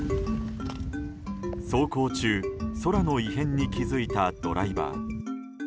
走行中空の異変に気付いたドライバー。